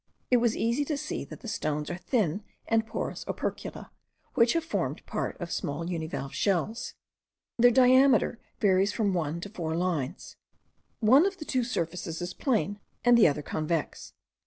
It was easy to see that the stones are thin and porous opercula, which have formed part of small univalve shells. Their diameter varies from one to four lines. One of their two surfaces is plane, and the other convex.